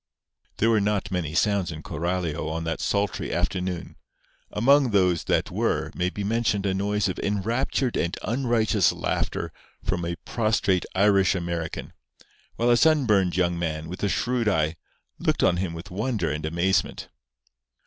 There were not many sounds in Coralio on that sultry afternoon. Among those that were may be mentioned a noise of enraptured and unrighteous laughter from a prostrate Irish American, while a sunburned young man, with a shrewd eye, looked on him with wonder and amazement.